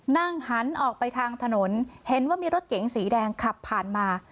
นั่งหันออกไปทางถนนเห็นว่ามีรถเก๋งสีแดงขับผ่านมา